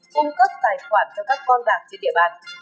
cung cấp tài khoản cho các con bạc trên địa bàn